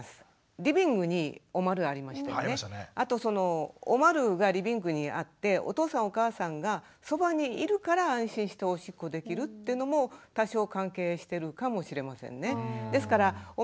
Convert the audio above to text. あとそのおまるがリビングにあってお父さんお母さんがそばにいるから安心しておしっこできるというのも多少関係してるかもしれませんね。